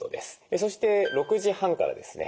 そして６時半からですね